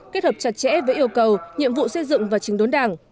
kết hợp chặt chẽ với yêu cầu nhiệm vụ xây dựng và trình đốn đảng